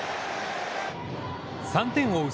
３点を追う